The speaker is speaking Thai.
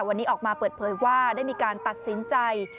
วันนี้ออกมาเปิดเผยว่าได้มีการตัดสินใจ